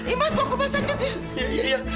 imas bawa ke rumah sakit ya